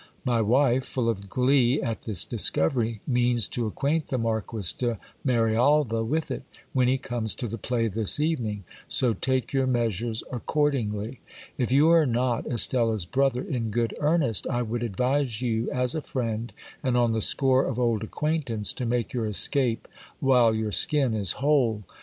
My wife, full of glee at this discovery, means to acquaint the Marquis de Marialva with it, when he comes to the play this evening; so take your measures accordingly. If you are not Estella's brother in good earnest, I would advise you as a friend, and on the score of old acquaintance, to make your escape while your skin is whole.